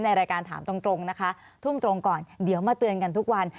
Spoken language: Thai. ในรายการถามตรงนะคะทุ่มตรงก่อนเดี๋ยวมาเตือนกันทุกวัน